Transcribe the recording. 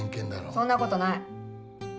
そんなことない。